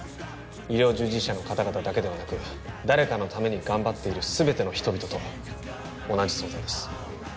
医療従事者の方々だけではなく誰かのために頑張っている全ての人々と同じ存在です